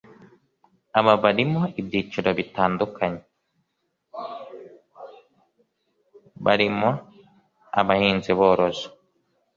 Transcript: Aba barimo ibyiciro bitandukanye barimo abahinzi borozi